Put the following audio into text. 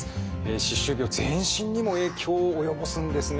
歯周病全身にも影響を及ぼすんですね。